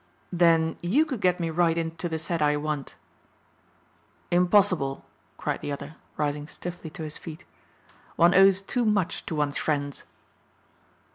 "Then you could get me right in to the set I want?" "Impossible," cried the other, rising stiffly to his feet. "One owes too much to one's friends."